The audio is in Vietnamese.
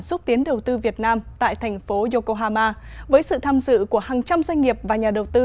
xúc tiến đầu tư việt nam tại thành phố yokohama với sự tham dự của hàng trăm doanh nghiệp và nhà đầu tư